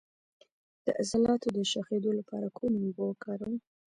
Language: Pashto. د عضلاتو د شخیدو لپاره کومې اوبه وکاروم؟